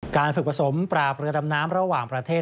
การฝึกผสมปราบเรือดำน้ำระหว่างประเทศ